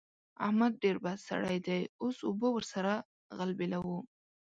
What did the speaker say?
احمد ډېر بد سړی دی؛ اوس اوبه ور سره غلبېلوو.